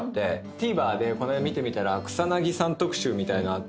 ＴＶｅｒでこの間見てみたら草さん特集みたいなあって。